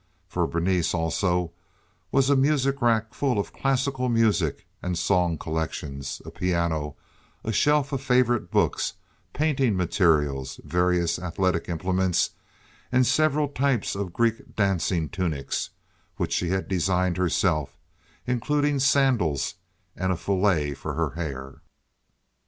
For Berenice, also, was a music rack full of classic music and song collections, a piano, a shelf of favorite books, painting materials, various athletic implements, and several types of Greek dancing tunics which she had designed herself, including sandals and fillet for her hair.